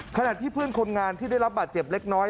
ขณะที่เพื่อนคนงานที่ได้รับบาดเจ็บเล็กน้อย